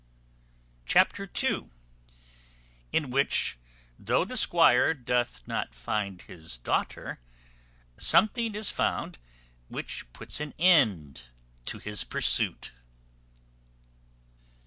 Chapter ii. In which, though the squire doth not find his daughter, something is found which puts an end to his pursuit.